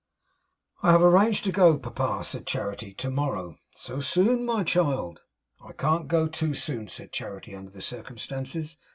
'I have arranged to go, Papa,' said Charity, 'to morrow.' 'So soon, my child!' 'I can't go too soon,' said Charity, 'under the circumstances.